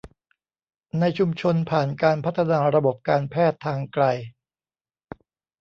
ในชุมชนผ่านการพัฒนาระบบการแพทย์ทางไกล